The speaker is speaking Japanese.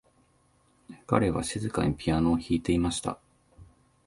彼は静かにピアノを弾いていました。